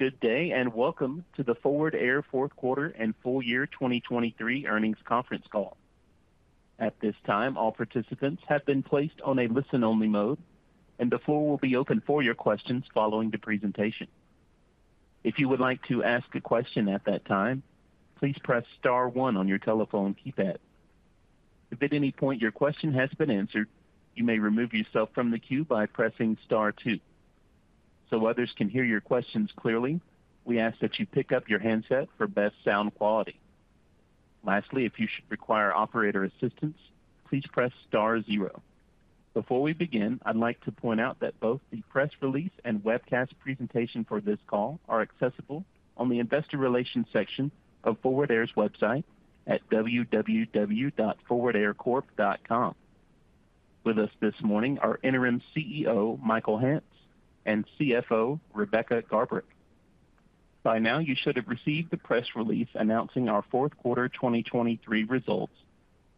Good day, and welcome to the Forward Air fourth quarter and full-year 2023 earnings conference call. At this time, all participants have been placed on a listen-only mode, and the floor will be open for your questions following the presentation. If you would like to ask a question at that time, please press star one on your telephone keypad. If at any point your question has been answered, you may remove yourself from the queue by pressing star two. So others can hear your questions clearly, we ask that you pick up your handset for best sound quality. Lastly, if you should require operator assistance, please press star zero. Before we begin, I'd like to point out that both the press release and webcast presentation for this call are accessible on the Investor Relations section of Forward Air's website at www.forwardaircorp.com. With us this morning are Interim CEO Michael Hance and CFO Rebecca Garbrick. By now, you should have received the press release announcing our fourth quarter 2023 results,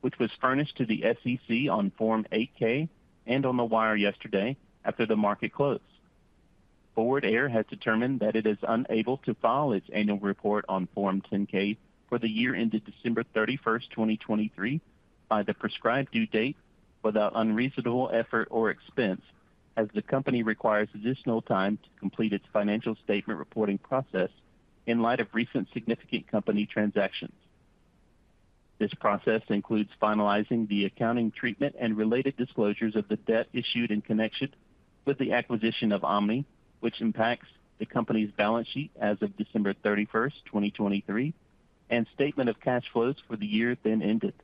which was furnished to the SEC on Form 8-K and on the wire yesterday after the market closed. Forward Air has determined that it is unable to file its annual report on Form 10-K for the year ended December 31, 2023, by the prescribed due date without unreasonable effort or expense, as the company requires additional time to complete its financial statement reporting process in light of recent significant company transactions. This process includes finalizing the accounting treatment and related disclosures of the debt issued in connection with the acquisition of Omni, which impacts the company's balance sheet as of December 31, 2023, and statement of cash flows for the year then ended.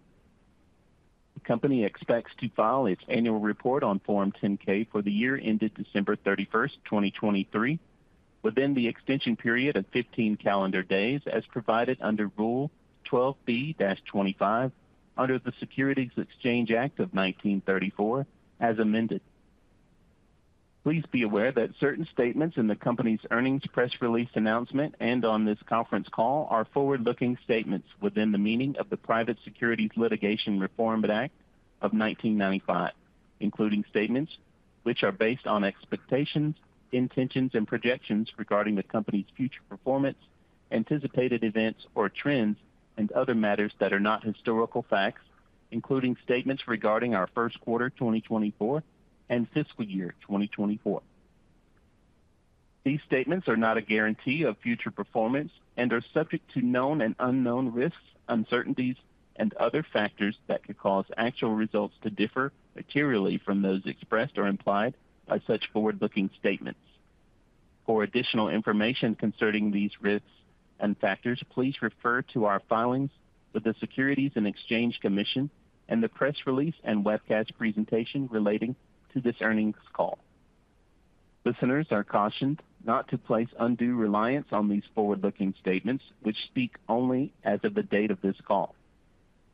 The company expects to file its annual report on Form 10-K for the year ended December 31, 2023, within the extension period of 15 calendar days, as provided under Rule 12b-25 under the Securities Exchange Act of 1934, as amended. Please be aware that certain statements in the company's earnings press release announcement and on this conference call are forward-looking statements within the meaning of the Private Securities Litigation Reform Act of 1995, including statements which are based on expectations, intentions, and projections regarding the company's future performance, anticipated events or trends, and other matters that are not historical facts, including statements regarding our first quarter 2024 and fiscal year 2024. These statements are not a guarantee of future performance and are subject to known and unknown risks, uncertainties, and other factors that could cause actual results to differ materially from those expressed or implied by such forward-looking statements. For additional information concerning these risks and factors, please refer to our filings with the Securities and Exchange Commission and the press release and webcast presentation relating to this earnings call. Listeners are cautioned not to place undue reliance on these forward-looking statements, which speak only as of the date of this call.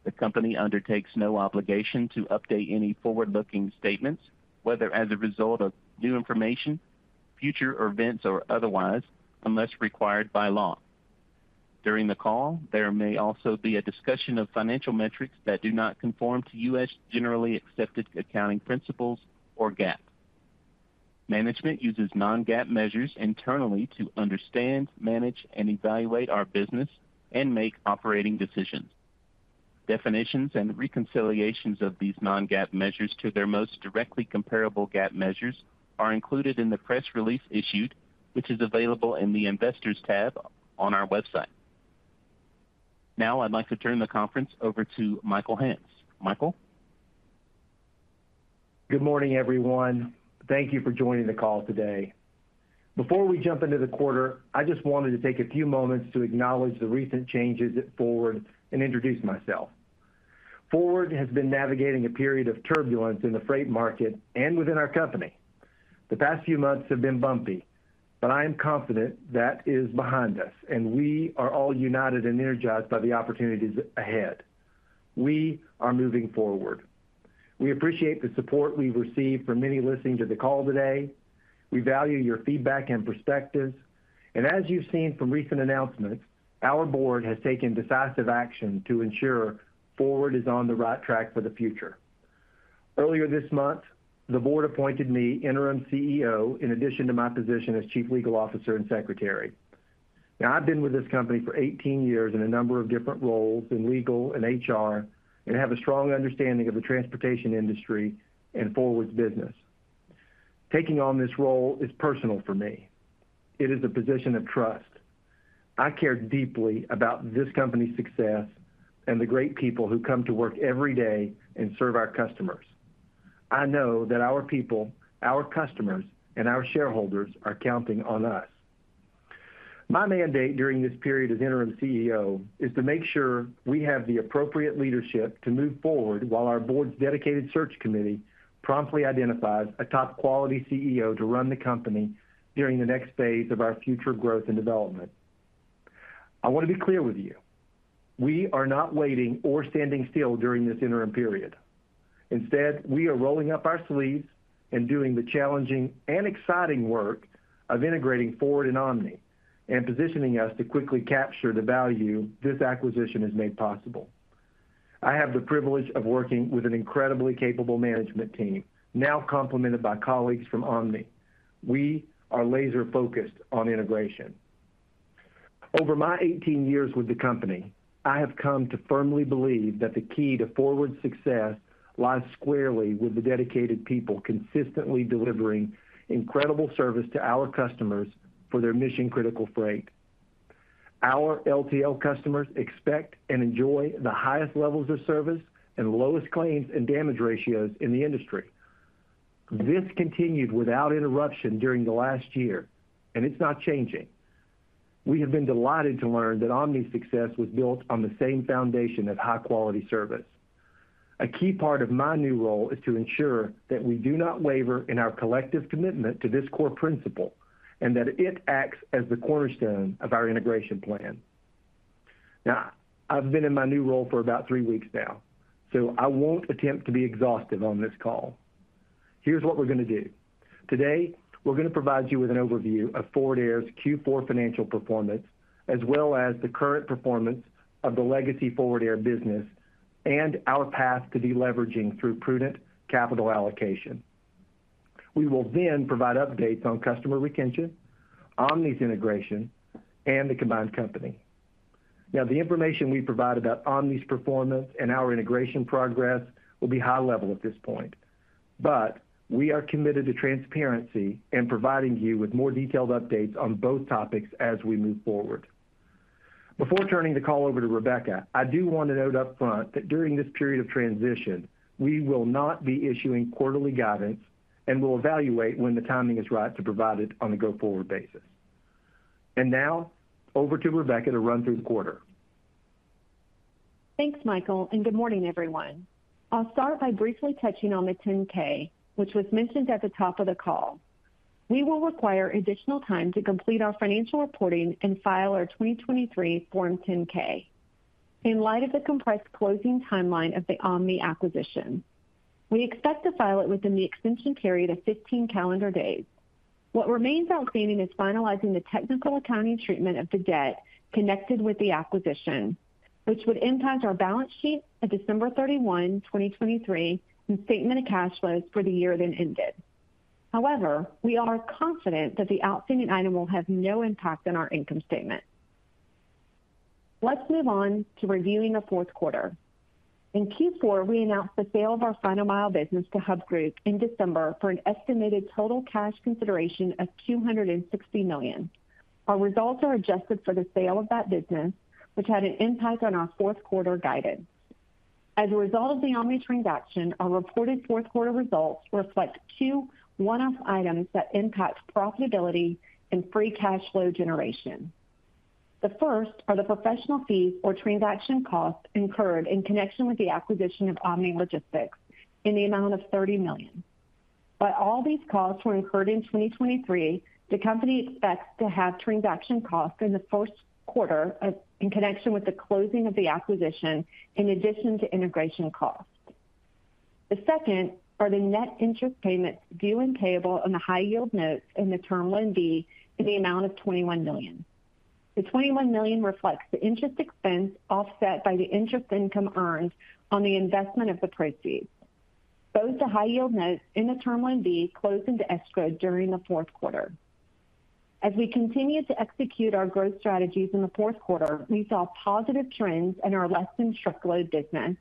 The company undertakes no obligation to update any forward-looking statements, whether as a result of new information, future events, or otherwise, unless required by law. During the call, there may also be a discussion of financial metrics that do not conform to U.S. generally accepted accounting principles or GAAP. Management uses non-GAAP measures internally to understand, manage, and evaluate our business and make operating decisions. Definitions and reconciliations of these non-GAAP measures to their most directly comparable GAAP measures are included in the press release issued, which is available in the Investors tab on our website. Now, I'd like to turn the conference over to Michael Hance. Michael? Good morning, everyone. Thank you for joining the call today. Before we jump into the quarter, I just wanted to take a few moments to acknowledge the recent changes at Forward and introduce myself. Forward has been navigating a period of turbulence in the freight market and within our company. The past few months have been bumpy, but I am confident that is behind us, and we are all united and energized by the opportunities ahead. We are moving forward. We appreciate the support we've received from many listening to the call today. We value your feedback and perspectives, and as you've seen from recent announcements, our board has taken decisive action to ensure Forward is on the right track for the future. Earlier this month, the board appointed me Interim CEO, in addition to my position as Chief Legal Officer and Secretary. Now, I've been with this company for 18 years in a number of different roles in legal and HR and have a strong understanding of the transportation industry and Forward's business. Taking on this role is personal for me. It is a position of trust. I care deeply about this company's success and the great people who come to work every day and serve our customers. I know that our people, our customers, and our shareholders are counting on us. My mandate during this period as Interim CEO is to make sure we have the appropriate leadership to move forward while our board's dedicated search committee promptly identifies a top-quality CEO to run the company during the next phase of our future growth and development. I want to be clear with you, we are not waiting or standing still during this interim period. Instead, we are rolling up our sleeves and doing the challenging and exciting work of integrating Forward and Omni and positioning us to quickly capture the value this acquisition has made possible... I have the privilege of working with an incredibly capable management team, now complemented by colleagues from Omni. We are laser-focused on integration. Over my 18 years with the company, I have come to firmly believe that the key to Forward success lies squarely with the dedicated people consistently delivering incredible service to our customers for their mission-critical freight. Our LTL customers expect and enjoy the highest levels of service and lowest claims and damage ratios in the industry. This continued without interruption during the last year, and it's not changing. We have been delighted to learn that Omni's success was built on the same foundation of high-quality service. A key part of my new role is to ensure that we do not waver in our collective commitment to this core principle, and that it acts as the cornerstone of our integration plan. Now, I've been in my new role for about three weeks now, so I won't attempt to be exhaustive on this call. Here's what we're going to do. Today, we're going to provide you with an overview of Forward Air's Q4 financial performance, as well as the current performance of the legacy Forward Air business and our path to deleveraging through prudent capital allocation. We will then provide updates on customer retention, Omni's integration, and the combined company. Now, the information we provide about Omni's performance and our integration progress will be high level at this point, but we are committed to transparency and providing you with more detailed updates on both topics as we move forward. Before turning the call over to Rebecca, I do want to note up front that during this period of transition, we will not be issuing quarterly guidance and will evaluate when the timing is right to provide it on a go-forward basis. And now, over to Rebecca to run through the quarter. Thanks, Michael, and good morning, everyone. I'll start by briefly touching on the 10-K, which was mentioned at the top of the call. We will require additional time to complete our financial reporting and file our 2023 Form 10-K. In light of the compressed closing timeline of the Omni acquisition, we expect to file it within the extension period of 15 calendar days. What remains outstanding is finalizing the technical accounting treatment of the debt connected with the acquisition, which would impact our balance sheet at December 31, 2023, and statement of cash flows for the year then ended. However, we are confident that the outstanding item will have no impact on our income statement. Let's move on to reviewing the fourth quarter. In Q4, we announced the sale of our Final Mile business to Hub Group in December for an estimated total cash consideration of $260 million. Our results are adjusted for the sale of that business, which had an impact on our fourth quarter guidance. As a result of the Omni transaction, our reported fourth quarter results reflect two one-off items that impact profitability and free cash flow generation. The first are the professional fees or transaction costs incurred in connection with the acquisition of Omni Logistics in the amount of $30 million. While all these costs were incurred in 2023, the company expects to have transaction costs in the first quarter in connection with the closing of the acquisition, in addition to integration costs. The second are the net interest payments due and payable on the High Yield Notes and the Term Loan B in the amount of $21 million. The $21 million reflects the interest expense, offset by the interest income earned on the investment of the proceeds. Both the High Yield Notes and the Term Loan B closed into escrow during the fourth quarter. As we continued to execute our growth strategies in the fourth quarter, we saw positive trends in our less-than-truckload business,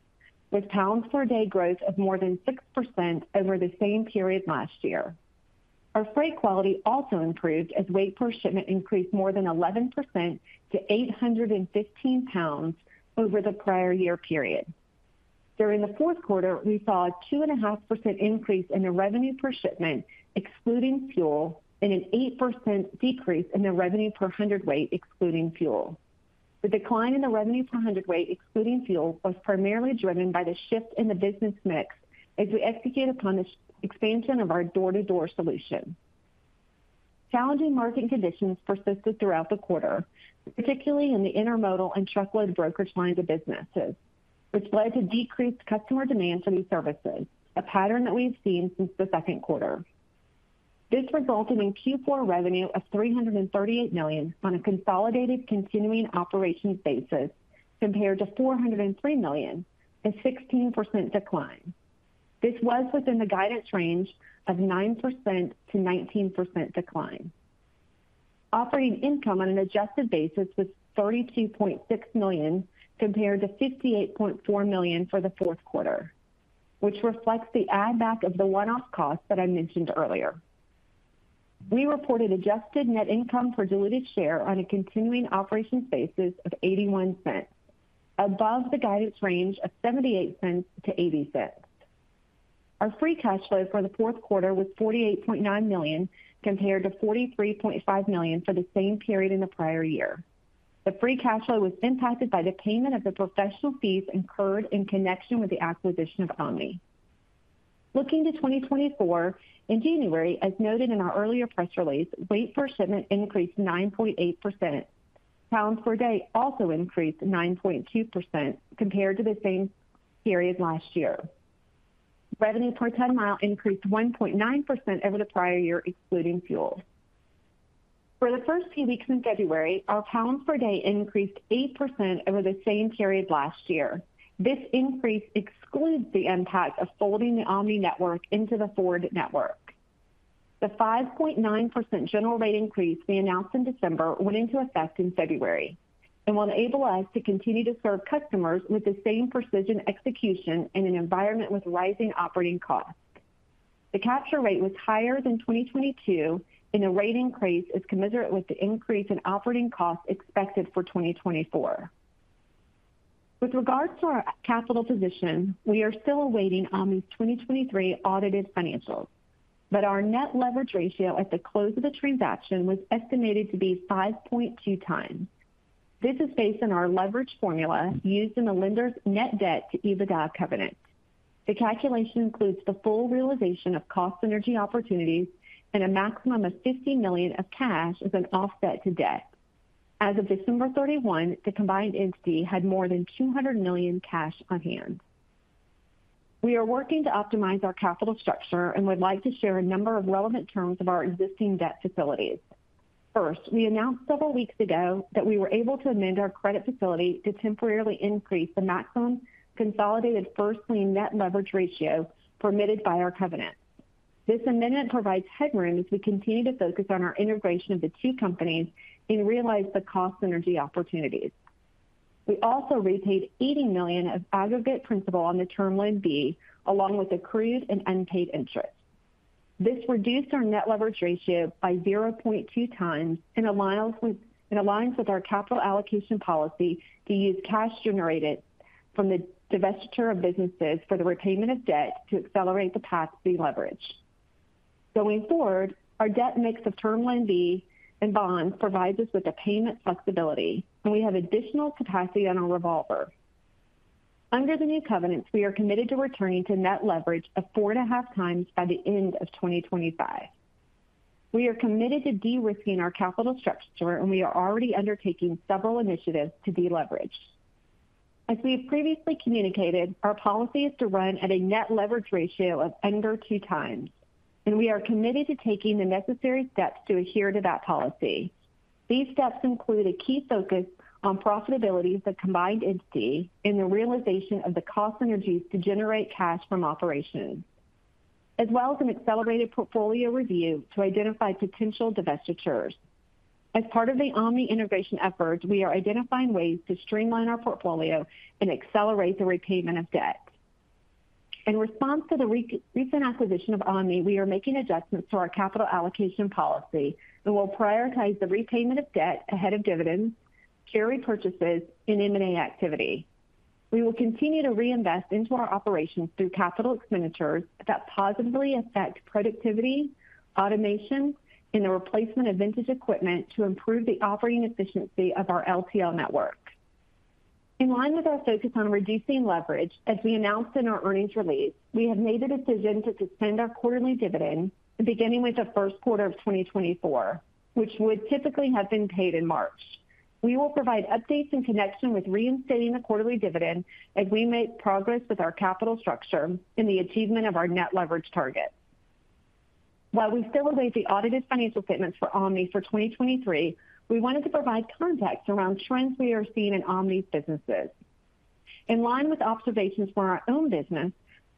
with pounds per day growth of more than 6% over the same period last year. Our freight quality also improved as weight per shipment increased more than 11% to 815 lbs over the prior year period. During the fourth quarter, we saw a 2.5% increase in the revenue per shipment, excluding fuel, and an 8% decrease in the revenue per hundredweight, excluding fuel. The decline in the revenue per hundredweight, excluding fuel, was primarily driven by the shift in the business mix as we execute upon the expansion of our door-to-door solution. Challenging market conditions persisted throughout the quarter, particularly in the intermodal and truckload broker lines of businesses, which led to decreased customer demand for these services, a pattern that we've seen since the second quarter. This resulted in Q4 revenue of $338 million on a consolidated continuing operations basis, compared to $403 million, a 16% decline. This was within the guidance range of 9%-19% decline. Operating income on an adjusted basis was $32.6 million, compared to $58.4 million for the fourth quarter, which reflects the add back of the one-off costs that I mentioned earlier. We reported adjusted net income per diluted share on a continuing operations basis of $0.81, above the guidance range of $0.78-$0.80. Our free cash flow for the fourth quarter was $48.9 million, compared to $43.5 million for the same period in the prior year. The free cash flow was impacted by the payment of the professional fees incurred in connection with the acquisition of Omni. Looking to 2024, in January, as noted in our earlier press release, weight per shipment increased 9.8%. Pounds per day also increased 9.2% compared to the same period last year. Revenue per ton-mile increased 1.9% over the prior year, excluding fuel. For the first two weeks in February, our pounds per day increased 8% over the same period last year. This increase excludes the impact of folding the Omni network into the Forward network. The 5.9% general rate increase we announced in December went into effect in February, and will enable us to continue to serve customers with the same precision execution in an environment with rising operating costs. The capture rate was higher than 2022, and the rate increase is commensurate with the increase in operating costs expected for 2024. With regards to our capital position, we are still awaiting Omni's 2023 audited financials, but our net leverage ratio at the close of the transaction was estimated to be 5.2x. This is based on our leverage formula used in the lender's net debt to EBITDA covenant. The calculation includes the full realization of cost synergy opportunities and a maximum of $50 million of cash as an offset to debt. As of December 31, the combined entity had more than $200 million cash on hand. We are working to optimize our capital structure and would like to share a number of relevant terms of our existing debt facilities. First, we announced several weeks ago that we were able to amend our credit facility to temporarily increase the maximum consolidated first lien net leverage ratio permitted by our covenant. This amendment provides headroom as we continue to focus on our integration of the two companies and realize the cost synergy opportunities. We also repaid $80 million of aggregate principal on the Term Loan B, along with accrued and unpaid interest. This reduced our net leverage ratio by 0.2x and aligns with our capital allocation policy to use cash generated from the divestiture of businesses for the repayment of debt to accelerate the path to leverage. Going forward, our debt mix of Term Loan B and bonds provides us with the payment flexibility, and we have additional capacity on our revolver. Under the new covenants, we are committed to returning to net leverage of 4.5x by the end of 2025. We are committed to de-risking our capital structure, and we are already undertaking several initiatives to deleverage. As we have previously communicated, our policy is to run at a net leverage ratio of under two times, and we are committed to taking the necessary steps to adhere to that policy. These steps include a key focus on profitability of the combined entity and the realization of the cost synergies to generate cash from operations, as well as an accelerated portfolio review to identify potential divestitures. As part of the Omni integration efforts, we are identifying ways to streamline our portfolio and accelerate the repayment of debt. In response to the recent acquisition of Omni, we are making adjustments to our capital allocation policy and will prioritize the repayment of debt ahead of dividends, share repurchases, and M&A activity. We will continue to reinvest into our operations through capital expenditures that positively affect productivity, automation, and the replacement of vintage equipment to improve the operating efficiency of our LTL network. In line with our focus on reducing leverage, as we announced in our earnings release, we have made the decision to suspend our quarterly dividend beginning with the first quarter of 2024, which would typically have been paid in March. We will provide updates in connection with reinstating the quarterly dividend as we make progress with our capital structure and the achievement of our net leverage target. While we still await the audited financial statements for Omni for 2023, we wanted to provide context around trends we are seeing in Omni's businesses. In line with observations from our own business,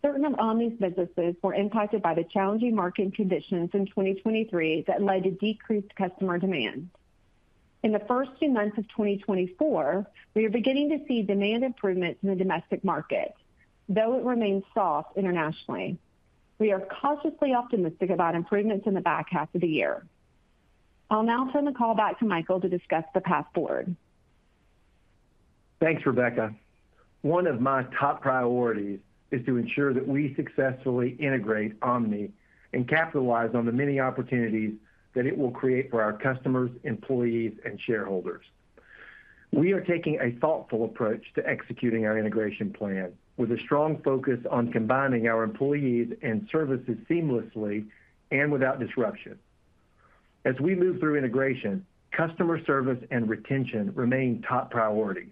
certain of Omni's businesses were impacted by the challenging market conditions in 2023 that led to decreased customer demand. In the first two months of 2024, we are beginning to see demand improvements in the domestic market, though it remains soft internationally. We are cautiously optimistic about improvements in the back half of the year. I'll now turn the call back to Michael to discuss the path forward. Thanks, Rebecca. One of my top priorities is to ensure that we successfully integrate Omni and capitalize on the many opportunities that it will create for our customers, employees, and shareholders. We are taking a thoughtful approach to executing our integration plan, with a strong focus on combining our employees and services seamlessly and without disruption. As we move through integration, customer service and retention remain top priorities.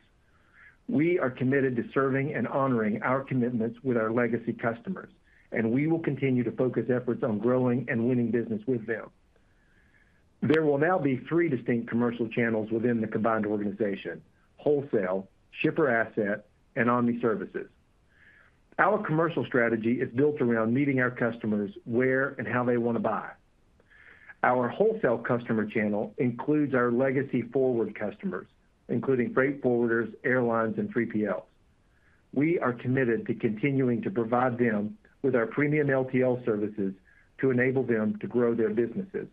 We are committed to serving and honoring our commitments with our legacy customers, and we will continue to focus efforts on growing and winning business with them. There will now be three distinct commercial channels within the combined organization: wholesale, shipper asset, and Omni services. Our commercial strategy is built around meeting our customers where and how they want to buy. Our wholesale customer channel includes our legacy Forward customers, including freight forwarders, airlines, and 3PLs. We are committed to continuing to provide them with our premium LTL services to enable them to grow their businesses.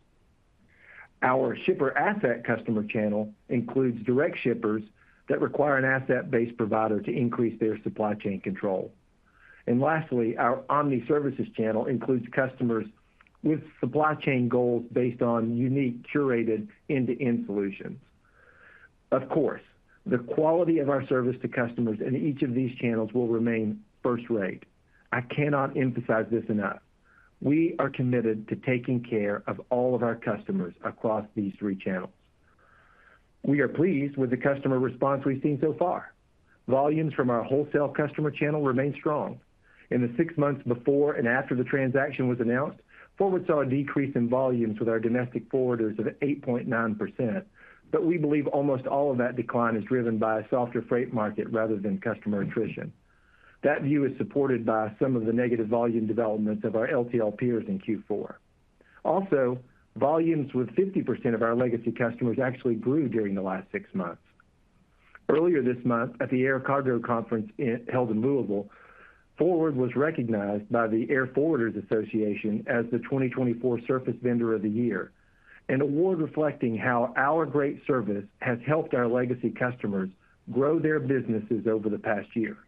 Our shipper asset customer channel includes direct shippers that require an asset-based provider to increase their supply chain control. And lastly, our Omni services channel includes customers with supply chain goals based on unique, curated, end-to-end solutions. Of course, the quality of our service to customers in each of these channels will remain first rate. I cannot emphasize this enough. We are committed to taking care of all of our customers across these three channels.... We are pleased with the customer response we've seen so far. Volumes from our wholesale customer channel remain strong. In the six months before and after the transaction was announced, Forward saw a decrease in volumes with our domestic forwarders of 8.9%, but we believe almost all of that decline is driven by a softer freight market rather than customer attrition. That view is supported by some of the negative volume developments of our LTL peers in Q4. Also, volumes with 50% of our legacy customers actually grew during the last six months. Earlier this month, at the Air Cargo Conference, held in Louisville, Forward was recognized by the Airforwarders Association as the 2024 Surface Vendor of the Year, an award reflecting how our great service has helped our legacy customers grow their businesses over the past year.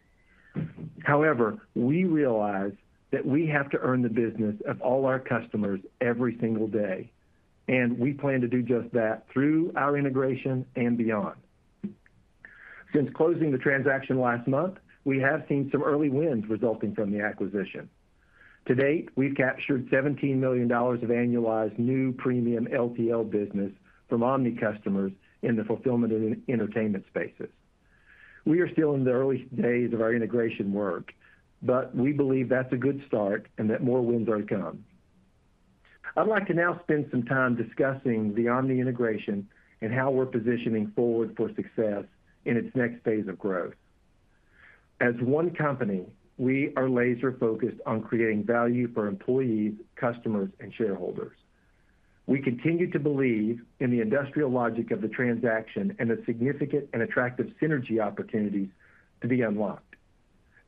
However, we realize that we have to earn the business of all our customers every single day, and we plan to do just that through our integration and beyond. Since closing the transaction last month, we have seen some early wins resulting from the acquisition. To date, we've captured $17 million of annualized new premium LTL business from Omni customers in the fulfillment and entertainment spaces. We are still in the early days of our integration work, but we believe that's a good start and that more wins are to come. I'd like to now spend some time discussing the Omni integration and how we're positioning Forward for success in its next phase of growth. As one company, we are laser-focused on creating value for employees, customers, and shareholders. We continue to believe in the industrial logic of the transaction and the significant and attractive synergy opportunities to be unlocked.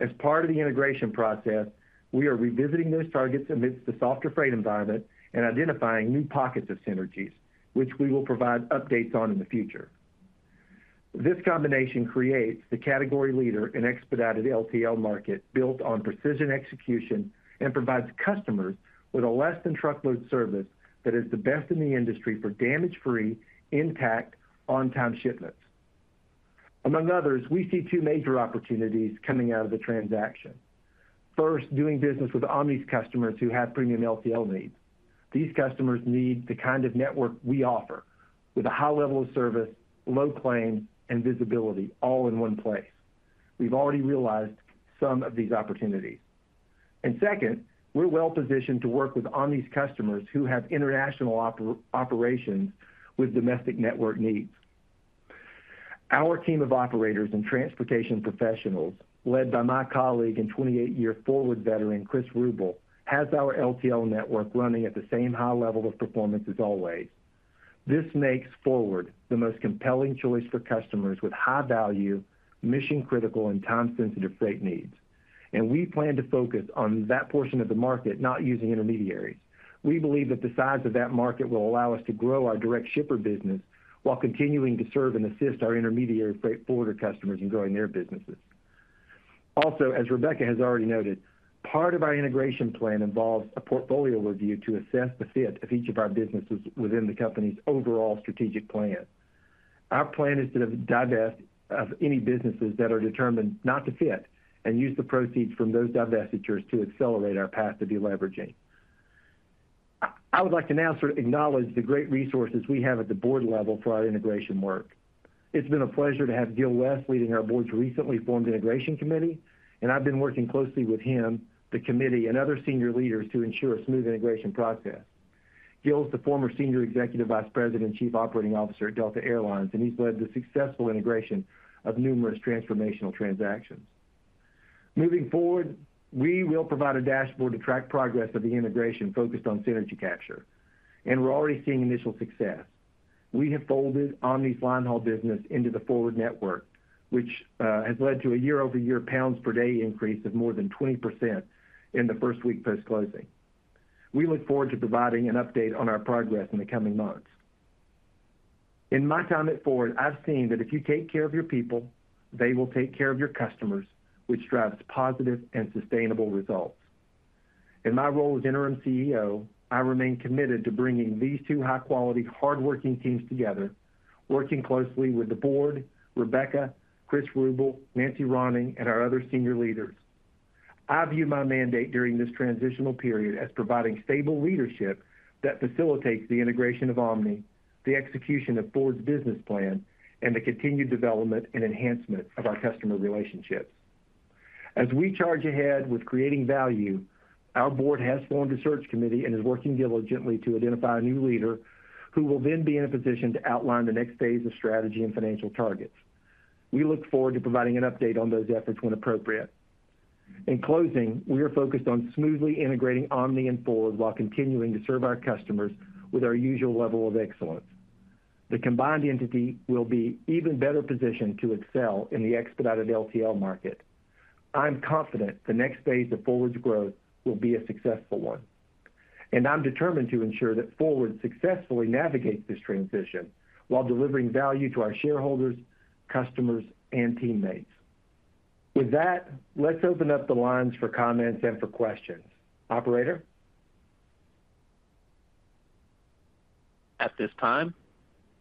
As part of the integration process, we are revisiting those targets amidst the softer freight environment and identifying new pockets of synergies, which we will provide updates on in the future. This combination creates the category leader in expedited LTL market, built on precision execution, and provides customers with a less-than-truckload service that is the best in the industry for damage-free, intact, on-time shipments. Among others, we see two major opportunities coming out of the transaction. First, doing business with Omni's customers who have premium LTL needs. These customers need the kind of network we offer, with a high level of service, low claim, and visibility all in one place. We've already realized some of these opportunities. And second, we're well-positioned to work with Omni's customers who have international operations with domestic network needs. Our team of operators and transportation professionals, led by my colleague and 28-year Forward veteran, Chris Ruble, has our LTL network running at the same high level of performance as always. This makes Forward the most compelling choice for customers with high-value, mission-critical, and time-sensitive freight needs, and we plan to focus on that portion of the market not using intermediaries. We believe that the size of that market will allow us to grow our direct shipper business while continuing to serve and assist our intermediary freight forwarder customers in growing their businesses. Also, as Rebecca has already noted, part of our integration plan involves a portfolio review to assess the fit of each of our businesses within the company's overall strategic plan. Our plan is to divest of any businesses that are determined not to fit, and use the proceeds from those divestitures to accelerate our path to deleveraging. I would like to now sort of acknowledge the great resources we have at the board level for our integration work. It's been a pleasure to have Gil West leading our board's recently formed integration committee, and I've been working closely with him, the committee, and other senior leaders to ensure a smooth integration process. Gil is the former Senior Executive Vice President and Chief Operating Officer at Delta Air Lines, and he's led the successful integration of numerous transformational transactions. Moving forward, we will provide a dashboard to track progress of the integration focused on synergy capture, and we're already seeing initial success. We have folded Omni's line haul business into the Forward network, which has led to a year-over-year pounds per day increase of more than 20% in the first week post-closing. We look forward to providing an update on our progress in the coming months. In my time at Forward, I've seen that if you take care of your people, they will take care of your customers, which drives positive and sustainable results. In my role as Interim CEO, I remain committed to bringing these two high-quality, hardworking teams together, working closely with the board, Rebecca, Chris Ruble, Nancee Ronning, and our other senior leaders. I view my mandate during this transitional period as providing stable leadership that facilitates the integration of Omni, the execution of Forward's business plan, and the continued development and enhancement of our customer relationships. As we charge ahead with creating value, our board has formed a search committee and is working diligently to identify a new leader, who will then be in a position to outline the next phase of strategy and financial targets. We look forward to providing an update on those efforts when appropriate. In closing, we are focused on smoothly integrating Omni and Forward while continuing to serve our customers with our usual level of excellence. The combined entity will be even better positioned to excel in the expedited LTL market. I'm confident the next phase of Forward's growth will be a successful one, and I'm determined to ensure that Forward successfully navigates this transition while delivering value to our shareholders, customers, and teammates. With that, let's open up the lines for comments and for questions. Operator? At this time,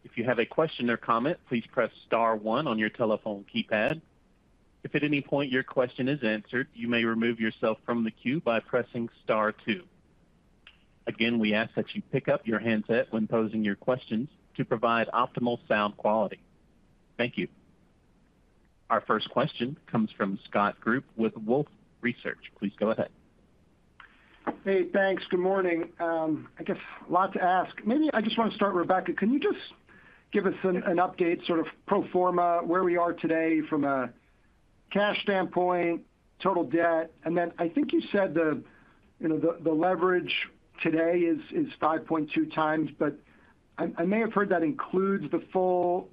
if you have a question or comment, please press star one on your telephone keypad. If at any point your question is answered, you may remove yourself from the queue by pressing star two. Again, we ask that you pick up your handset when posing your questions to provide optimal sound quality. Thank you. Our first question comes from Scott Group with Wolfe Research. Please go ahead. Hey, thanks. Good morning. I guess a lot to ask. Maybe I just want to start, Rebecca, can you just give us an update, sort of pro forma, where we are today from a cash standpoint, total debt? And then I think you said the, you know, the leverage today is 5.2x, but I may have heard that includes the full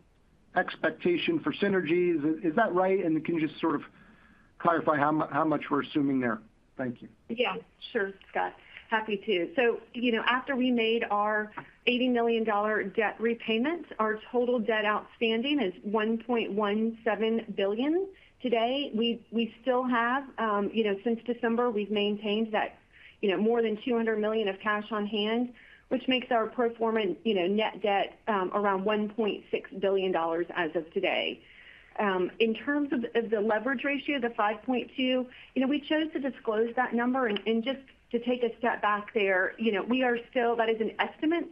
expectation for synergies. Is that right? And can you just sort of clarify how much we're assuming there? Thank you. Yeah, sure, Scott. Happy to. So, you know, after we made our $80 million debt repayments, our total debt outstanding is $1.17 billion. Today, we still have, you know, since December, we've maintained that, you know, more than $200 million of cash on hand, which makes our pro forma, you know, net debt, around $1.6 billion as of today. In terms of the leverage ratio, the 5.2x, you know, we chose to disclose that number. And just to take a step back there, you know, we are still, that is an estimate,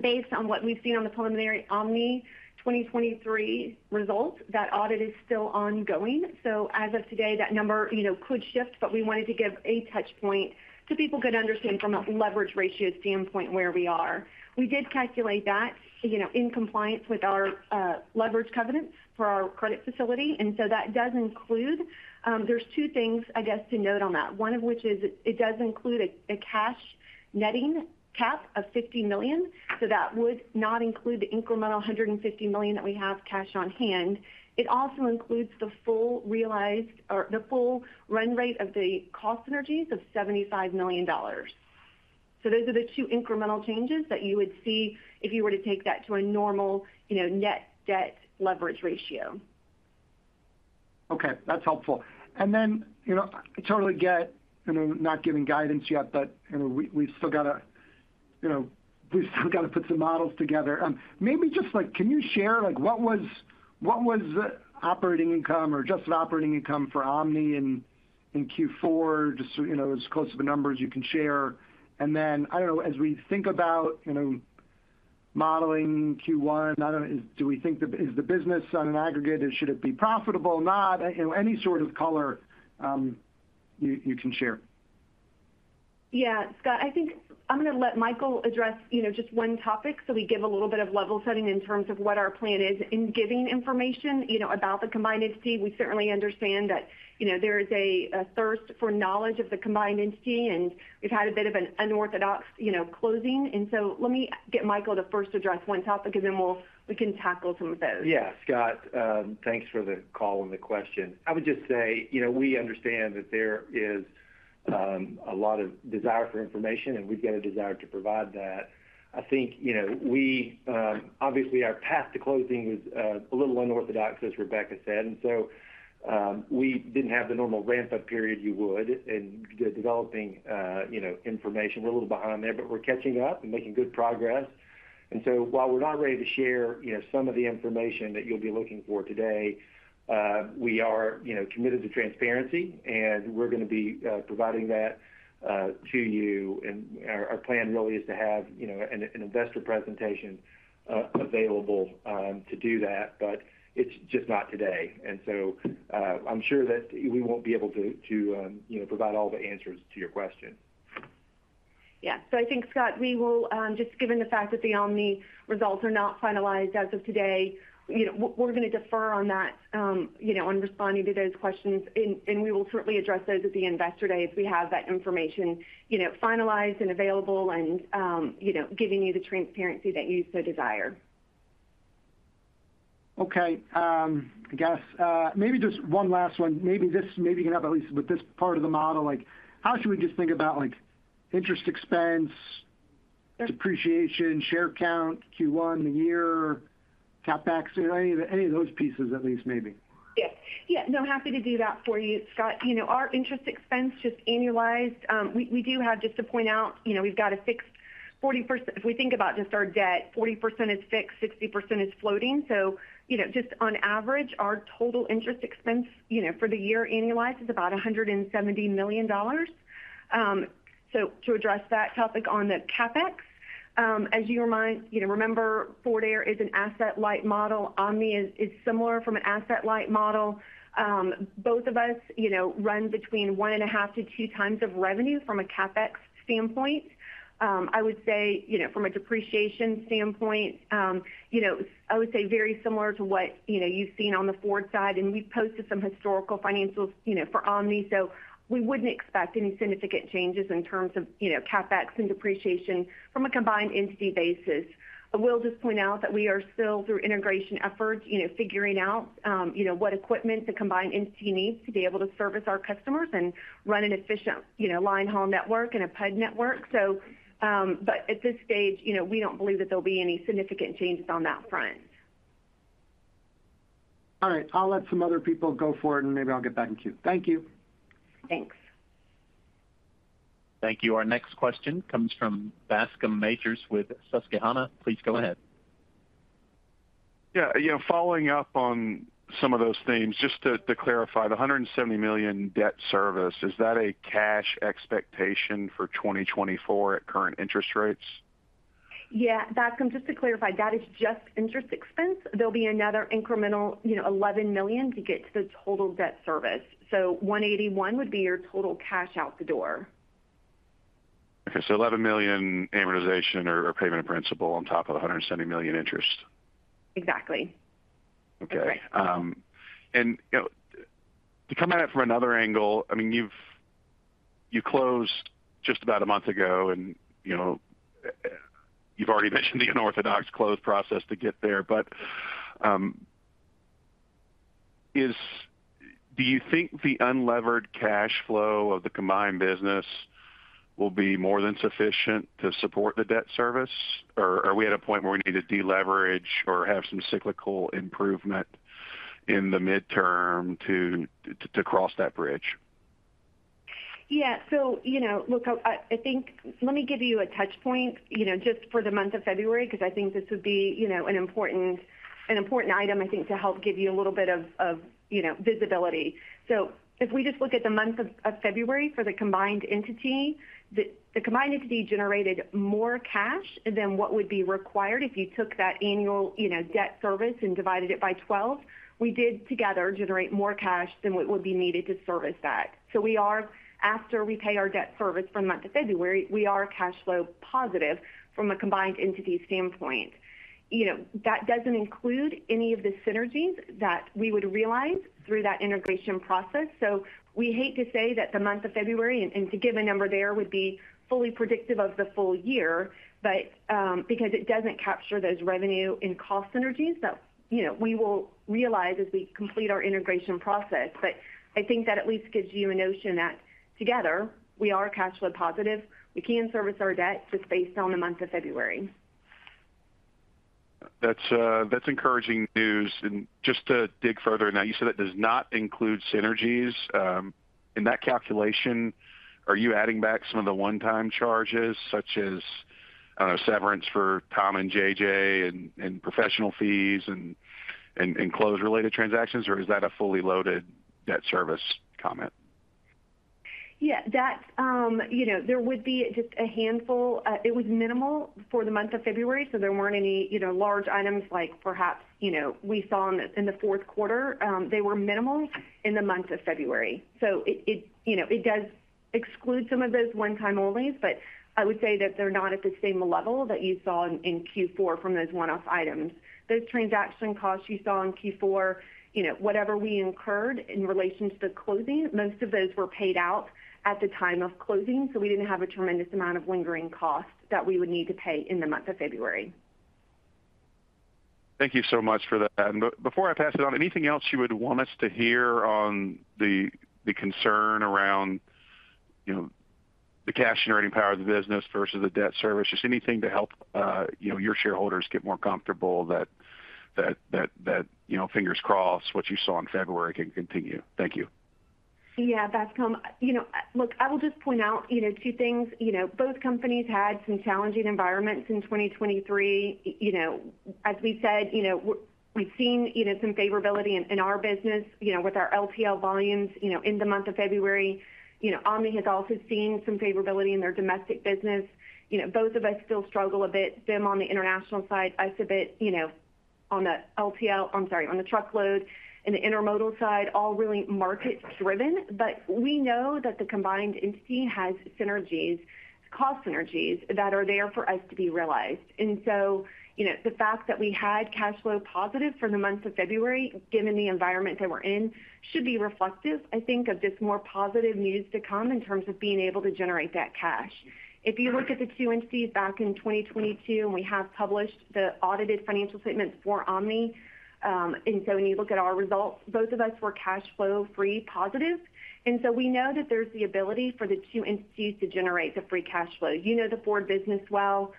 based on what we've seen on the preliminary Omni 2023 results. That audit is still ongoing. So as of today, that number, you know, could shift, but we wanted to give a touch point so people could understand from a leverage ratio standpoint where we are. We did calculate that, you know, in compliance with our leverage covenants for our credit facility, and so that does include. There's two things, I guess, to note on that. One of which is it does include a cash netting cap of $50 million, so that would not include the incremental $150 million that we have cash on hand. It also includes the full realized or the full run rate of the cost synergies of $75 million. So those are the two incremental changes that you would see if you were to take that to a normal, you know, net debt leverage ratio. Okay, that's helpful. And then, you know, I totally get, you know, not giving guidance yet, but, you know, we've still got to put some models together. Maybe just like, can you share, like, what was the operating income or adjusted operating income for Omni in Q4, just so you know, as close to the numbers you can share. And then, I don't know, as we think about, you know, modeling Q1, I don't know, do we think the is the business on an aggregate, and should it be profitable or not? You know, any sort of color, you can share. Yeah, Scott, I think I'm going to let Michael address, you know, just one topic so we give a little bit of level setting in terms of what our plan is in giving information, you know, about the combined entity. We certainly understand that, you know, there is a thirst for knowledge of the combined entity, and we've had a bit of an unorthodox, you know, closing. So let me get Michael to first address one topic, and then we can tackle some of those. Yeah, Scott, thanks for the call and the question. I would just say, you know, we understand that there is a lot of desire for information, and we've got a desire to provide that. I think, you know, we obviously our path to closing was a little unorthodox, as Rebecca said, and so we didn't have the normal ramp-up period you would in developing you know, information. We're a little behind there, but we're catching up and making good progress. And so while we're not ready to share, you know, some of the information that you'll be looking for today, we are, you know, committed to transparency, and we're going to be providing that to you. And our plan really is to have, you know, an investor presentation available to do that, but it's just not today. And so, I'm sure that we won't be able to, you know, provide all the answers to your question. Yeah. So I think, Scott, we will just given the fact that the Omni results are not finalized as of today, you know, we're going to defer on that, you know, on responding to those questions. And we will certainly address those at the Investor Day as we have that information, you know, finalized and available and, you know, giving you the transparency that you so desire. Okay, I guess maybe just one last one. Maybe this, maybe not at least with this part of the model, like how should we just think about, like, interest expense, depreciation, share count, Q1, the year, CapEx, any of those pieces at least maybe? Yeah. Yeah, no, happy to do that for you, Scott. You know, our interest expense, just annualized, we do have just to point out, you know, we've got a fixed 40%-- If we think about just our debt, 40% is fixed, 60% is floating. So, you know, just on average, our total interest expense, you know, for the year annualized, is about $170 million. So to address that topic on the CapEx, as you remind, you know, remember, Forward Air is an asset-light model. Omni is similar from an asset-light model. Both of us, you know, run between 1.5x-2x of revenue from a CapEx standpoint. I would say, you know, from a depreciation standpoint, you know, I would say very similar to what, you know, you've seen on the Forward side, and we've posted some historical financials, you know, for Omni. So we wouldn't expect any significant changes in terms of, you know, CapEx and depreciation from a combined entity basis. I will just point out that we are still through integration efforts, you know, figuring out, you know, what equipment the combined entity needs to be able to service our customers and run an efficient, you know, line haul network and a P&D network. So, but at this stage, you know, we don't believe that there'll be any significant changes on that front. All right. I'll let some other people go for it, and maybe I'll get back in queue. Thank you. Thanks. Thank you. Our next question comes from Bascome Majors with Susquehanna. Please go ahead.... Yeah, you know, following up on some of those themes, just to, to clarify the $170 million debt service, is that a cash expectation for 2024 at current interest rates? Yeah, Bascome, just to clarify, that is just interest expense. There'll be another incremental, you know, $11 million to get to the total debt service. So $181 million would be your total cash out the door. Okay. So $11 million amortization or payment of principal on top of the $170 million interest. Exactly. Okay. You know, to come at it from another angle, I mean, you've you closed just about a month ago, and you know, you've already mentioned the unorthodox close process to get there, but do you think the unlevered cash flow of the combined business will be more than sufficient to support the debt service? Or are we at a point where we need to deleverage or have some cyclical improvement in the midterm to cross that bridge? Yeah. So, you know, look, I think, let me give you a touch point, you know, just for the month of February, because I think this would be, you know, an important item, I think, to help give you a little bit of, you know, visibility. So if we just look at the month of February for the combined entity, the combined entity generated more cash than what would be required if you took that annual, you know, debt service and divided it by 12. We did together generate more cash than what would be needed to service that. So we are, after we pay our debt service for the month of February, we are cash flow positive from a combined entity standpoint. You know, that doesn't include any of the synergies that we would realize through that integration process. So we hate to say that the month of February, and to give a number there, would be fully predictive of the full-year, but because it doesn't capture those revenue and cost synergies that, you know, we will realize as we complete our integration process. But I think that at least gives you a notion that together we are cash flow positive. We can service our debt just based on the month of February. That's encouraging news. And just to dig further, now, you said that does not include synergies. In that calculation, are you adding back some of the one-time charges, such as, I don't know, severance for Tom and JJ and closing-related transactions, or is that a fully loaded debt service comment? Yeah, that's, you know, there would be just a handful. It was minimal for the month of February, so there weren't any, you know, large items like perhaps, you know, we saw in the fourth quarter. They were minimal in the month of February. So it, you know, it does exclude some of those one-time onlys, but I would say that they're not at the same level that you saw in Q4 from those one-off items. Those transaction costs you saw in Q4, you know, whatever we incurred in relation to the closing, most of those were paid out at the time of closing, so we didn't have a tremendous amount of lingering costs that we would need to pay in the month of February. Thank you so much for that. And before I pass it on, anything else you would want us to hear on the concern around, you know, the cash generating power of the business versus the debt service? Just anything to help, you know, your shareholders get more comfortable that, you know, fingers crossed, what you saw in February can continue. Thank you. Yeah, Bascome. You know, look, I will just point out, you know, two things. You know, both companies had some challenging environments in 2023. You know, as we said, you know, we've seen, you know, some favorability in our business, you know, with our LTL volumes, you know, in the month of February. You know, Omni has also seen some favorability in their domestic business. You know, both of us still struggle a bit. Them on the international side, us a bit, you know, on the LTL—I'm sorry, on the truckload and the intermodal side, all really market driven. But we know that the combined entity has synergies, cost synergies that are there for us to be realized. You know, the fact that we had cash flow positive for the month of February, given the environment that we're in, should be reflective, I think, of this more positive news to come in terms of being able to generate that cash. If you look at the two entities back in 2022, and we have published the audited financial statements for Omni, and so when you look at our results, both of us were cash flow free positive. We know that there's the ability for the two entities to generate the free cash flow. You know the Forward business well.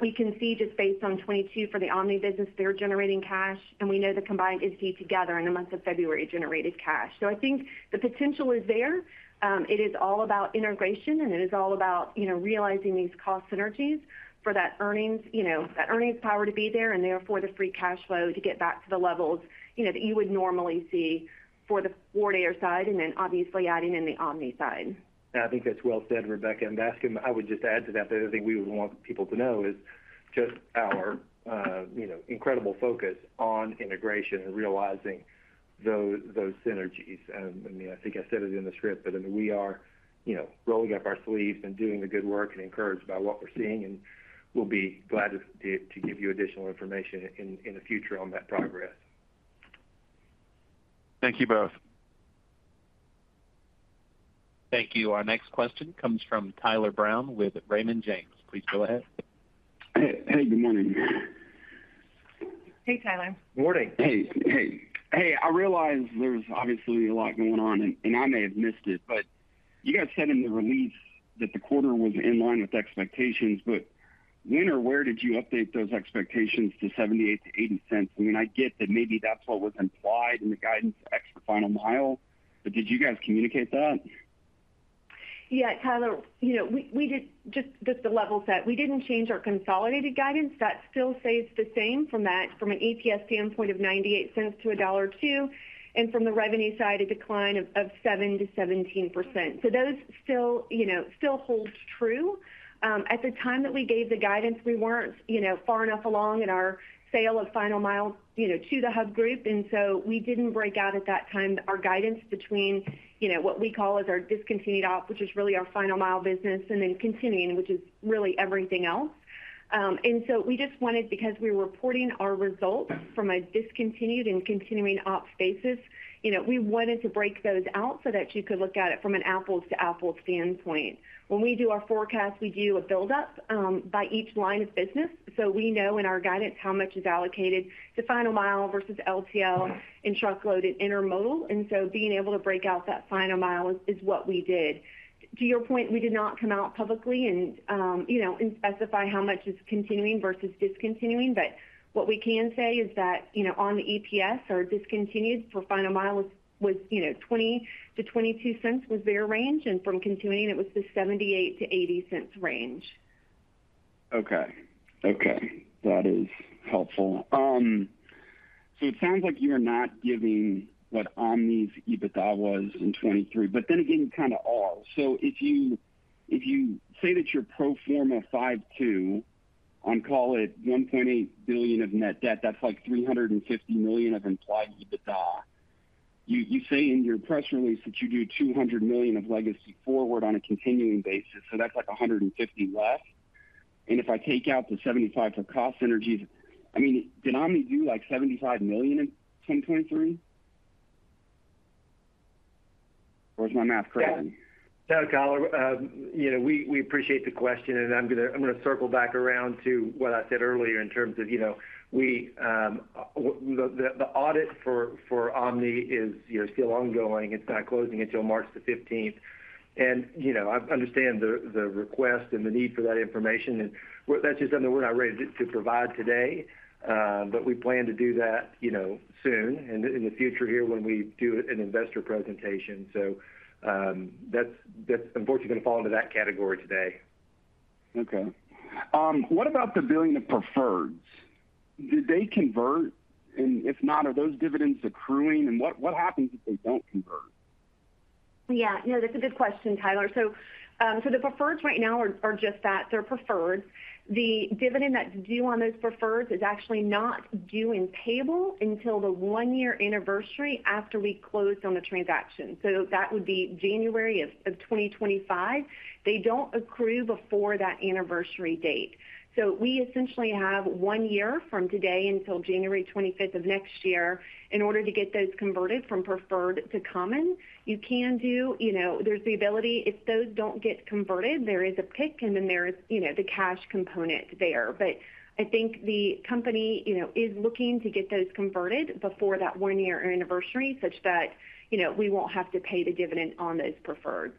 We can see just based on 2022 for the Omni business, they're generating cash, and we know the combined entity together in the month of February generated cash. So I think the potential is there. It is all about integration, and it is all about, you know, realizing these cost synergies for that earnings, you know, that earnings power to be there, and therefore the free cash flow to get back to the levels, you know, that you would normally see for the Forward side, and then obviously adding in the Omni side. I think that's well said, Rebecca and Bascome. I would just add to that, the other thing we would want people to know is just our incredible focus on integration and realizing those synergies. I mean, I said it in the script, but I mean, we are rolling up our sleeves and doing the good work and encouraged by what we're seeing, and we'll be glad to give you additional information in the future on that progress. Thank you both. Thank you. Our next question comes from Tyler Brown with Raymond James. Please go ahead. Hey, good morning. Hey, Tyler. Morning. Hey, hey. Hey, I realize there's obviously a lot going on, and I may have missed it, but you guys said in the release that the quarter was in line with expectations, but when or where did you update those expectations to $0.78-$0.80? I mean, I get that maybe that's what was implied in the guidance for expedited Final Mile, but did you guys communicate that?... Yeah, Tyler, you know, we did just to level set, we didn't change our consolidated guidance. That still stays the same from that, from an EPS standpoint of $0.98-$1.02, and from the revenue side, a decline of 7%-17%. So those still, you know, still holds true. At the time that we gave the guidance, we weren't, you know, far enough along in our sale of Final Mile, you know, to the Hub Group, and so we didn't break out at that time our guidance between, you know, what we call as our discontinued op, which is really our Final Mile business, and then continuing, which is really everything else. And so we just wanted, because we were reporting our results from a discontinued and continuing ops basis, you know, we wanted to break those out so that you could look at it from an apples-to-apples standpoint. When we do our forecast, we do a build up by each line of business. So we know in our guidance how much is allocated to Final Mile versus LTL and truckload and intermodal, and so being able to break out that Final Mile is what we did. To your point, we did not come out publicly and, you know, and specify how much is continuing versus discontinuing. But what we can say is that, you know, on the EPS, our discontinued for Final Mile was, you know, $0.20-$0.22 was their range, and from continuing it was the $0.78-$0.80 range. Okay. Okay, that is helpful. So it sounds like you're not giving what Omni's EBITDA was in 2023, but then again, kind of all. So if you, if you say that your pro forma 5.2x on $1.8 billion of net debt, that's like $350 million of implied EBITDA. You, you say in your press release that you do $200 million of legacy Forward on a continuing basis, so that's like $150 less. And if I take out the $75 for cost synergies, I mean, did Omni do like $75 million in 10/2023? Or is my math correct? Yeah, Tyler, you know, we appreciate the question, and I'm gonna circle back around to what I said earlier in terms of, you know, the audit for Omni is, you know, still ongoing. It's not closing until March the fifteenth. And, you know, I understand the request and the need for that information, and that's just something we're not ready to provide today. But we plan to do that, you know, soon and in the future here when we do an investor presentation. So, that's unfortunately going to fall into that category today. Okay. What about the $1 billion of preferreds? Did they convert? And if not, are those dividends accruing, and what happens if they don't convert? Yeah, you know, that's a good question, Tyler. So, the preferreds right now are, are just that, they're preferred. The dividend that's due on those preferreds is actually not due and payable until the one-year anniversary after we close on the transaction. So that would be January of 2025. They don't accrue before that anniversary date. So we essentially have one year from today until January 25th of next year in order to get those converted from preferred to common. You can do—you know, there's the ability, if those don't get converted, there is a PIK, and then there is, you know, the cash component there. But I think the company, you know, is looking to get those converted before that one-year anniversary, such that, you know, we won't have to pay the dividend on those preferreds.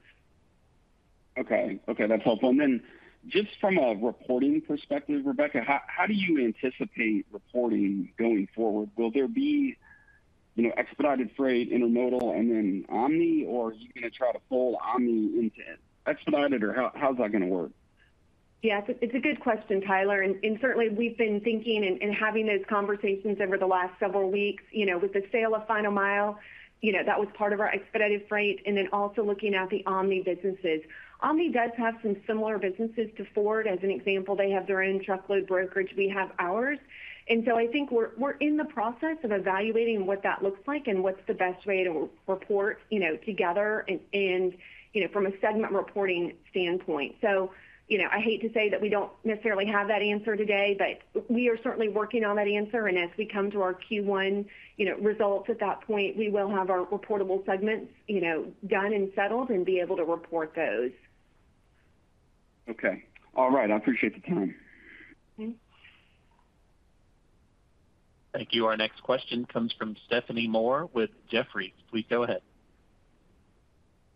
Okay. Okay, that's helpful. And then just from a reporting perspective, Rebecca, how, how do you anticipate reporting going forward? Will there be, you know, expedited freight, intermodal, and then Omni, or are you going to try to pull Omni into expedited, or how, how's that going to work? Yeah, it's a good question, Tyler, and certainly we've been thinking and having those conversations over the last several weeks. You know, with the sale of Final Mile, you know, that was part of our expedited freight, and then also looking at the Omni businesses. Omni does have some similar businesses to Forward. As an example, they have their own truckload brokerage. We have ours. And so I think we're in the process of evaluating what that looks like and what's the best way to report, you know, together and, you know, from a segment reporting standpoint. So, you know, I hate to say that we don't necessarily have that answer today, but we are certainly working on that answer, and as we come to our Q1, you know, results, at that point, we will have our reportable segments, you know, done and settled and be able to report those. Okay. All right. I appreciate the time. Thanks. Thank you. Our next question comes from Stephanie Moore with Jefferies. Please go ahead.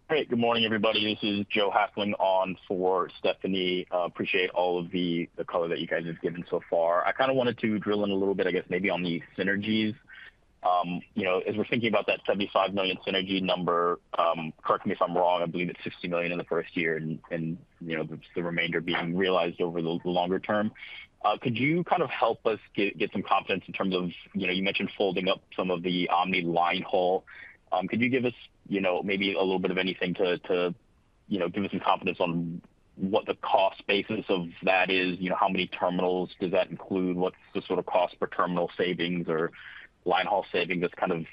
Hey, good morning, everybody. This is Joe Hafling on for Stephanie. Appreciate all of the color that you guys have given so far. I kind of wanted to drill in a little bit, I guess, maybe on the synergies. You know, as we're thinking about that $75 million synergy number, correct me if I'm wrong, I believe it's $60 million in the first year, and you know, the remainder being realized over the longer term. Could you kind of help us get some confidence in terms of, you know, you mentioned folding up some of the Omni line haul. Could you give us, you know, maybe a little bit of anything to give us some confidence on what the cost basis of that is? You know, how many terminals does that include? What's the sort of cost per terminal savings or line haul savings that's kind of,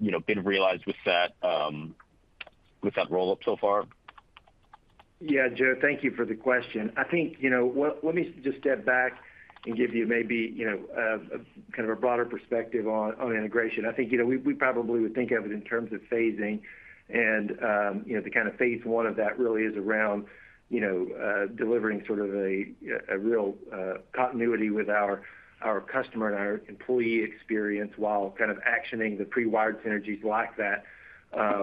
you know, been realized with that, with that roll-up so far?... Yeah, Joe, thank you for the question. I think, you know, let me just step back and give you maybe, you know, a kind of a broader perspective on integration. I think, you know, we probably would think of it in terms of phasing and, you know, the kind of phase one of that really is around, you know, delivering sort of a real continuity with our customer and our employee experience, while kind of actioning the pre-wired synergies like that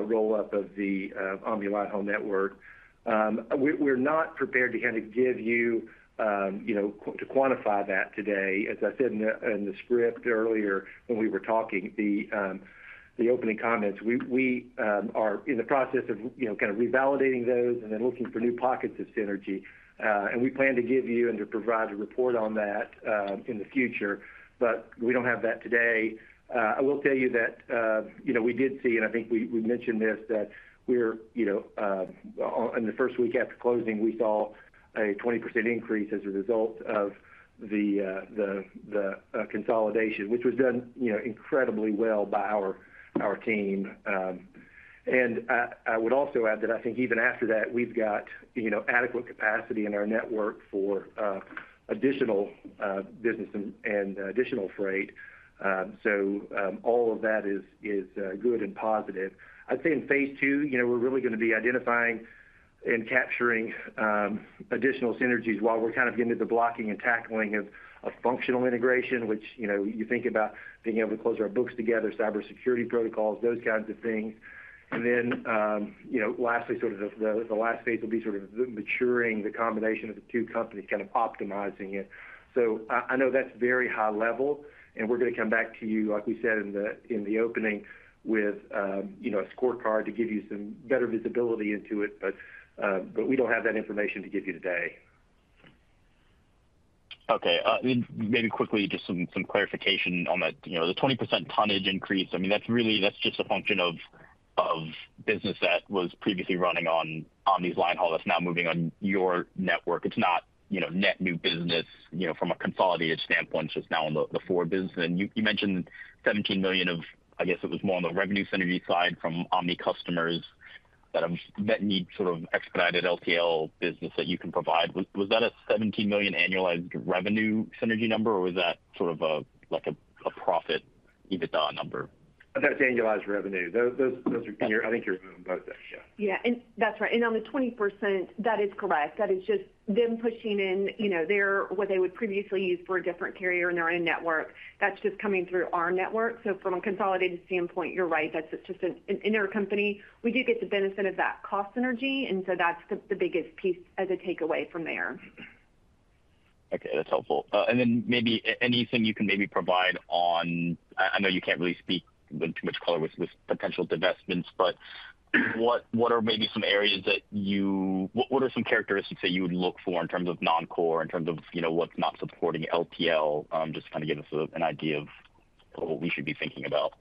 roll up of the Omni line haul network. We, we're not prepared to kind of give you, you know, to quantify that today. As I said in the script earlier when we were talking, the opening comments, we are in the process of, you know, kind of revalidating those and then looking for new pockets of synergy. And we plan to give you and to provide a report on that in the future, but we don't have that today. I will tell you that, you know, we did see, and I think we mentioned this, that we're, you know, in the first week after closing, we saw a 20% increase as a result of the consolidation, which was done, you know, incredibly well by our team. And I would also add that I think even after that, we've got, you know, adequate capacity in our network for additional business and additional freight. So all of that is good and positive. I'd say in phase two, you know, we're really going to be identifying and capturing additional synergies while we're kind of getting to the blocking and tackling of a functional integration, which, you know, you think about being able to close our books together, cybersecurity protocols, those kinds of things. And then, you know, lastly, sort of the last phase will be sort of the maturing the combination of the two companies, kind of optimizing it. So I know that's very high level, and we're going to come back to you, like we said in the opening, with you know a scorecard to give you some better visibility into it. But we don't have that information to give you today. Okay. And maybe quickly, just some clarification on that. You know, the 20% tonnage increase, I mean, that's really, that's just a function of business that was previously running on Omni's line haul, that's now moving on your network. It's not, you know, net new business, you know, from a consolidated standpoint, just now on the Forward business. And you mentioned $17 million of, I guess it was more on the revenue synergy side from Omni customers that need sort of expedited LTL business that you can provide. Was that a $17 million annualized revenue synergy number, or was that sort of a, like a profit EBITDA number? That's annualized revenue. Those are... I think you're right about that, yeah. Yeah, and that's right. And on the 20%, that is correct. That is just them pushing in, you know, their, what they would previously use for a different carrier in their own network. That's just coming through our network. So from a consolidated standpoint, you're right, that's just an intercompany. We do get the benefit of that cost synergy, and so that's the, the biggest piece as a takeaway from there. Okay, that's helpful. And then maybe anything you can maybe provide on... I know you can't really speak in too much color with potential divestments, but what are maybe some areas that you, what are some characteristics that you would look for in terms of non-core, in terms of, you know, what's not supporting LTL? Just to kind of give us an idea of what we should be thinking about.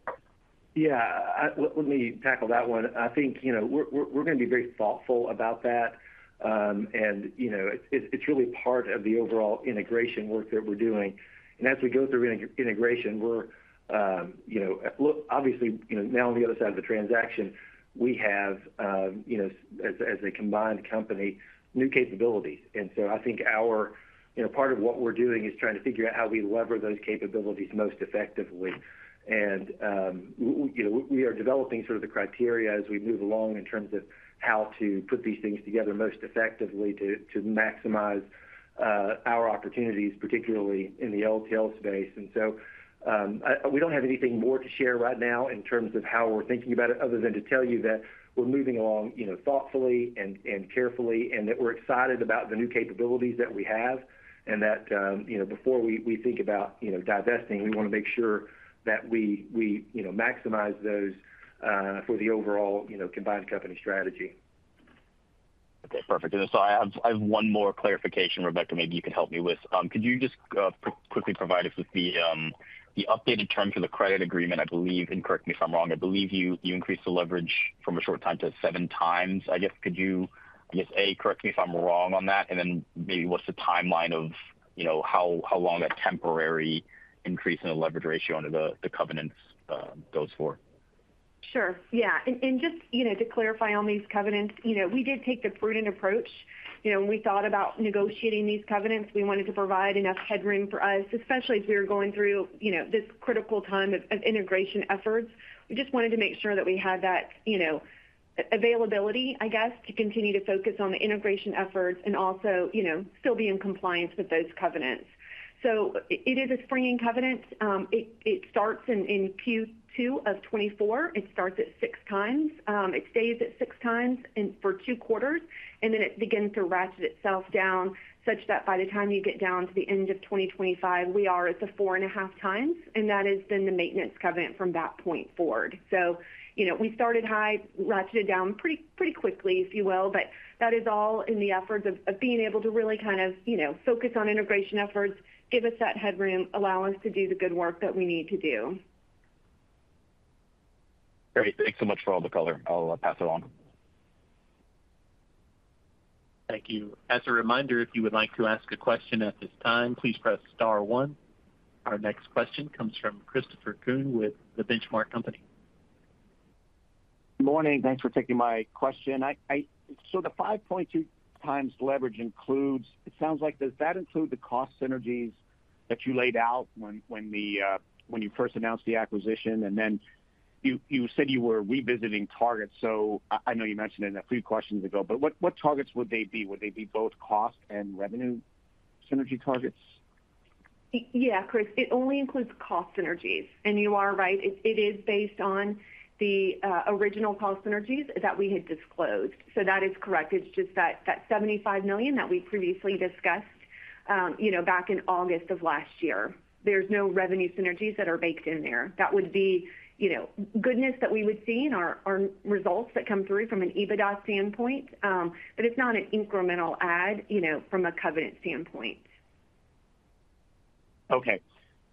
Yeah, let me tackle that one. I think, you know, we're going to be very thoughtful about that. And, you know, it's really part of the overall integration work that we're doing. And as we go through integration, we're, you know, look, obviously, you know, now on the other side of the transaction, we have, you know, as a combined company, new capabilities. And so I think our, you know, part of what we're doing is trying to figure out how we lever those capabilities most effectively. And, you know, we are developing sort of the criteria as we move along in terms of how to put these things together most effectively to maximize our opportunities, particularly in the LTL space. We don't have anything more to share right now in terms of how we're thinking about it, other than to tell you that we're moving along, you know, thoughtfully and carefully, and that we're excited about the new capabilities that we have. And that, you know, before we think about divesting, we want to make sure that we maximize those for the overall, you know, combined company strategy. Okay, perfect. And so I have one more clarification, Rebecca, maybe you can help me with. Could you just quickly provide us with the updated terms of the credit agreement? I believe, and correct me if I'm wrong, you increased the leverage from 4.5x to 7x. I guess, A, correct me if I'm wrong on that, and then maybe what's the timeline of, you know, how long a temporary increase in the leverage ratio under the covenants goes for? Sure. Yeah. And just, you know, to clarify on these covenants, you know, we did take the prudent approach. You know, when we thought about negotiating these covenants, we wanted to provide enough headroom for us, especially as we were going through, you know, this critical time of integration efforts. We just wanted to make sure that we had that, you know, availability, I guess, to continue to focus on the integration efforts and also, you know, still be in compliance with those covenants. So it is a springing covenant. It starts in Q2 of 2024. It starts at 6x. It stays at 6x, and for two quarters, and then it begins to ratchet itself down, such that by the time you get down to the end of 2025, we are at the 4.5x, and that is then the maintenance covenant from that point forward. So, you know, we started high, ratcheted down pretty, pretty quickly, if you will, but that is all in the efforts of being able to really kind of, you know, focus on integration efforts, give us that headroom, allow us to do the good work that we need to do. Great. Thanks so much for all the color. I'll pass it on. Thank you. As a reminder, if you would like to ask a question at this time, please press star one. Our next question comes from Christopher Kuhn with The Benchmark Company. Morning. Thanks for taking my question. So the 5.2x leverage includes, it sounds like, does that include the cost synergies that you laid out when you first announced the acquisition, and then you said you were revisiting targets. So I know you mentioned it a few questions ago, but what targets would they be? Would they be both cost and revenue synergy targets? Yeah, Chris, it only includes cost synergies. And you are right, it, it is based on the original cost synergies that we had disclosed. So that is correct. It's just that, that $75 million that we previously discussed, you know, back in August of last year. There's no revenue synergies that are baked in there. That would be, you know, goodness that we would see in our, our results that come through from an EBITDA standpoint. But it's not an incremental add, you know, from a covenant standpoint. Okay.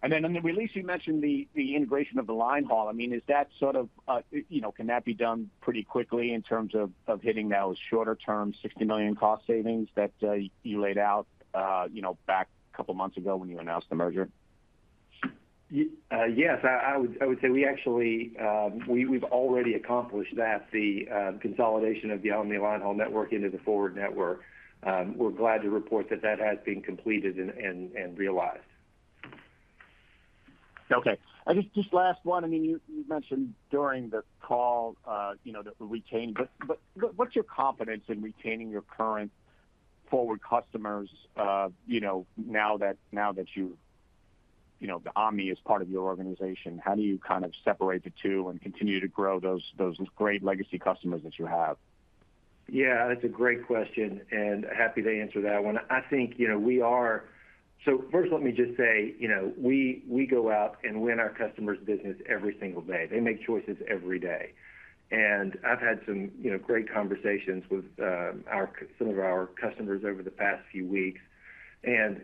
And then in the release, you mentioned the, the integration of the line haul. I mean, is that sort of, you know, can that be done pretty quickly in terms of, of hitting those shorter-term, $60 million cost savings that, you laid out, you know, back a couple of months ago when you announced the merger? Yes, I would say we actually, we've already accomplished that, the consolidation of the Omni line haul network into the Forward network. We're glad to report that that has been completed and realized. Okay. And just, just last one. I mean, you, you mentioned during the call, you know, the retaining, but, but what's your confidence in retaining your current Forward customers, you know, now that, now that you've you know, the Omni is part of your organization? How do you kind of separate the two and continue to grow those, those great legacy customers that you have? Yeah, that's a great question, and happy to answer that one. I think, you know, we are. So first, let me just say, you know, we go out and win our customers' business every single day. They make choices every day. And I've had some, you know, great conversations with some of our customers over the past few weeks, and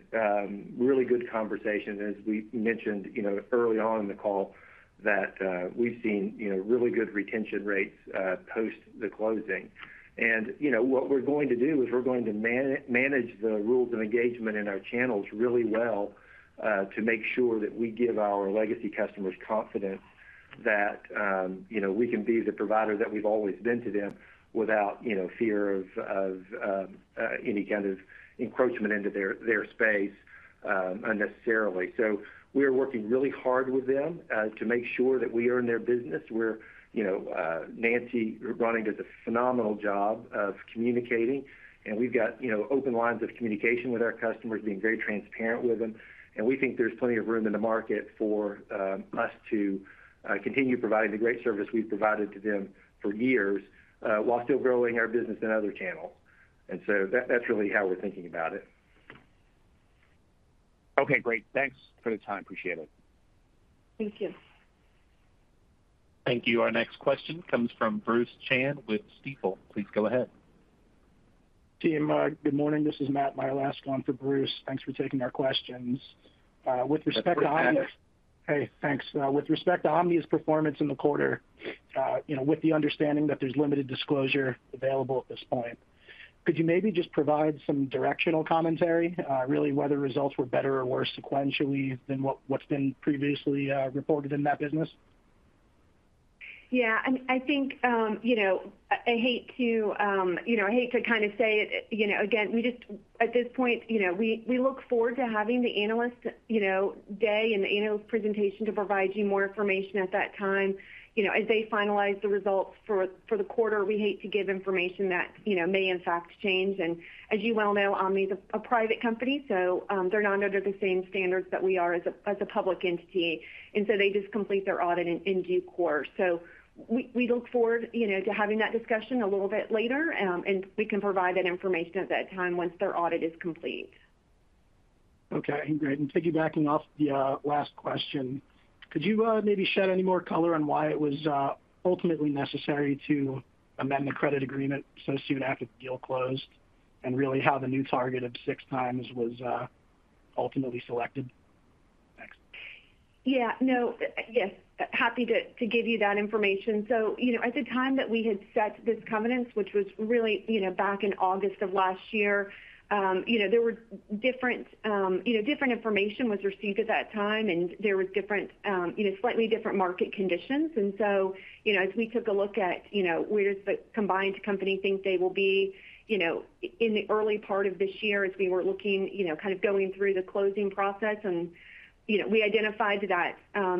really good conversations. As we mentioned, you know, early on in the call that we've seen, you know, really good retention rates post the closing. And you know, what we're going to do is we're going to manage the rules of engagement in our channels really well, to make sure that we give our legacy customers confidence that, you know, we can be the provider that we've always been to them without, you know, fear of any kind of encroachment into their space, unnecessarily. So we are working really hard with them, to make sure that we are in their business. We're, you know, Nancee Ronning does a phenomenal job of communicating, and we've got, you know, open lines of communication with our customers, being very transparent with them. And we think there's plenty of room in the market for us to continue providing the great service we've provided to them for years, while still growing our business in other channels. And so that's really how we're thinking about it. Okay, great. Thanks for the time. Appreciate it. Thank you. Thank you. Our next question comes from Bruce Chan with Stifel. Please go ahead. Team, good morning. This is Matt Milask for Bruce. Thanks for taking our questions. With respect to Omni- Thanks, Matt. Hey, thanks. With respect to Omni's performance in the quarter, you know, with the understanding that there's limited disclosure available at this point, could you maybe just provide some directional commentary, really, whether results were better or worse sequentially than what's been previously reported in that business? Yeah, and I think, you know, I hate to, you know, I hate to kind of say it, you know, again, we just at this point, you know, we look forward to having the analyst day and the analyst presentation to provide you more information at that time. You know, as they finalize the results for the quarter, we hate to give information that, you know, may in fact change. And as you well know, Omni is a private company, so they're not under the same standards that we are as a public entity, and so they just complete their audit in due course. So we look forward, you know, to having that discussion a little bit later, and we can provide that information at that time once their audit is complete. Okay, great. And piggybacking off the last question, could you maybe shed any more color on why it was ultimately necessary to amend the credit agreement so soon after the deal closed, and really how the new target of 6x was ultimately selected? Thanks. Yeah, no, yes, happy to give you that information. So, you know, at the time that we had set this covenant, which was really, you know, back in August of last year, you know, there were different, you know, different information was received at that time, and there was different, you know, slightly different market conditions. So, you know, as we took a look at, you know, where the combined company thinks they will be, you know, in the early part of this year, as we were looking, you know, kind of going through the closing process and, you know, we identified that,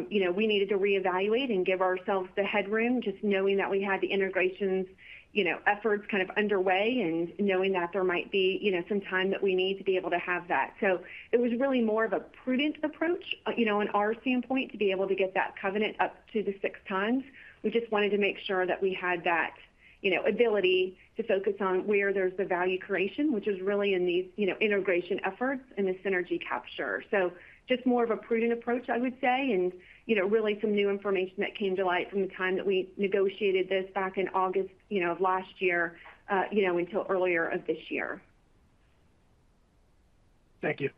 you know, we needed to reevaluate and give ourselves the headroom, just knowing that we had the integrations, you know, efforts kind of underway and knowing that there might be, you know, some time that we need to be able to have that. So it was really more of a prudent approach, you know, on our standpoint, to be able to get that covenant up to the 6x. We just wanted to make sure that we had that, you know, ability to focus on where there's the value creation, which is really in these, you know, integration efforts and the synergy capture. So just more of a prudent approach, I would say, and, you know, really some new information that came to light from the time that we negotiated this back in August, you know, of last year, until earlier this year. Thank you.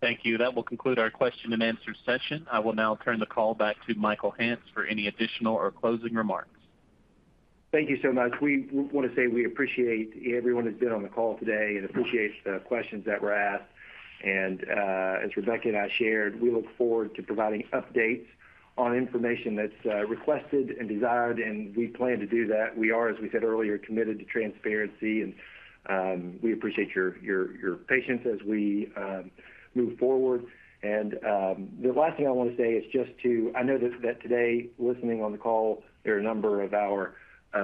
Thank you. That will conclude our question and answer session. I will now turn the call back to Michael Hance for any additional or closing remarks. Thank you so much. We want to say we appreciate everyone who's been on the call today and appreciate the questions that were asked. As Rebecca and I shared, we look forward to providing updates on information that's requested and desired, and we plan to do that. We are, as we said earlier, committed to transparency and we appreciate your patience as we move forward. The last thing I want to say is just to... I know that today, listening on the call, there are a number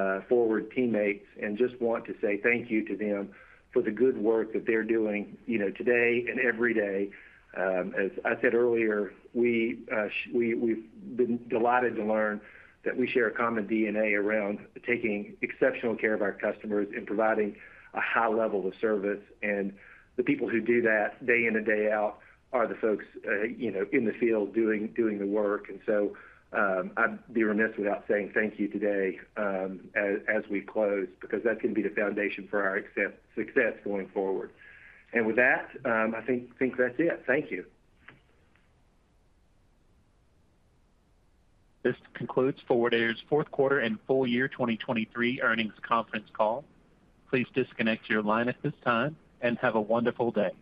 of our Forward teammates, and just want to say thank you to them for the good work that they're doing, you know, today and every day. As I said earlier, we've been delighted to learn that we share a common DNA around taking exceptional care of our customers and providing a high level of service. And the people who do that day in and day out are the folks, you know, in the field doing the work. And so, I'd be remiss without saying thank you today, as we close, because that's going to be the foundation for our success going forward. And with that, I think that's it. Thank you. This concludes Forward Air's fourth quarter and full-year 2023 earnings conference call. Please disconnect your line at this time, and have a wonderful day.